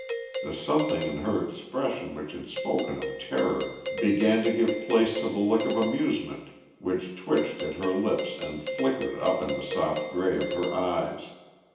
The something in her expression which had spoken of terror began to give place to the look of amusement which twitched at her lips and flickered up in the soft grey of her eyes.